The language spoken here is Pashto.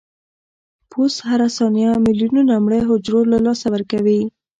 پوست هره ثانیه ملیونونه مړه حجرو له لاسه ورکوي.